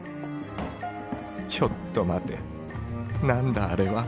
ちょっと待て、何だあれは。